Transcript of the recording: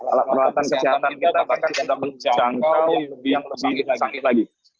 alat peralatan kesehatan kita bahkan sudah menjangkau yang lebih sakit lagi